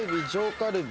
カルビ。